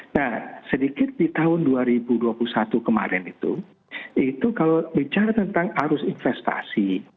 nah sedikit di tahun dua ribu dua puluh satu kemarin itu itu kalau bicara tentang arus investasi